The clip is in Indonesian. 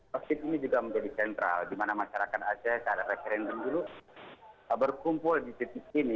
masjid ini juga menjadi sentral dimana masyarakat aceh pada referendum dulu berkumpul di titik ini